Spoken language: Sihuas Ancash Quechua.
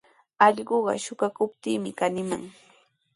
Allquqa suqakuqtami kanikun.